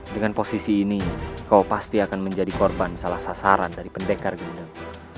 dengan posisi ini kau pasti akan menjadi korban salah sasaran dari pendekar gendang